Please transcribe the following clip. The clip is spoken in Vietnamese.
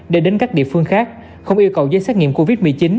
để đến các địa phương khác không yêu cầu giấy xét nghiệm covid một mươi chín